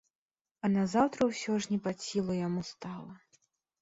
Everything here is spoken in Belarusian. А назаўтра ўсё ж не пад сілу яму стала.